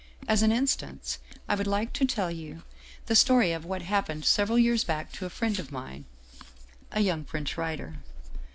" As an instance I would like to tell you the story of 260 Otto Larssen what happened several years back to a friend of mine, a young French writer.